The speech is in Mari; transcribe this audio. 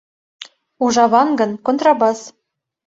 Ужаван гын — контрабас.